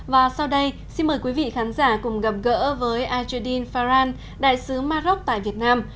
và sau đây xin mời quý vị khán giả cùng gặp gỡ với ajudin faran đại sứ maroc tại việt nam